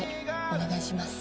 お願いします。